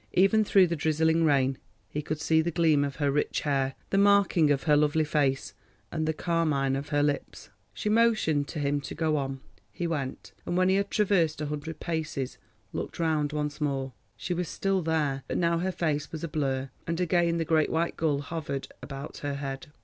Even through the drizzling rain he could see the gleam of her rich hair, the marking of her lovely face, and the carmine of her lips. She motioned to him to go on. He went, and when he had traversed a hundred paces looked round once more. She was still there, but now her face was a blur, and again the great white gull hovered about her head.